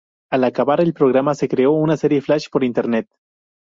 Al acabar el programa se creó una serie flash por Internet.